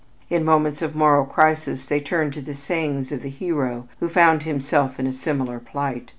In moments of moral crisis they turn to the sayings of the hero who found himself in a similar plight.